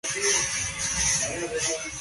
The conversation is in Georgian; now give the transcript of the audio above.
დასავლეთ შესასვლელის გვერდებზე თითო სათოფურია.